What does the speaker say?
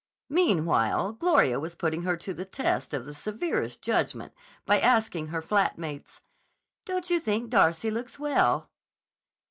Meanwhile Gloria was putting her to the test of the severest judgment by asking her flat mates: "Don't you think Darcy looks well?"